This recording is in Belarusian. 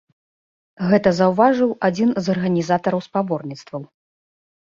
Гэта заўважыў адзін з арганізатараў спаборніцтваў.